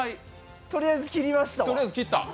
とりあえず切りましたわ。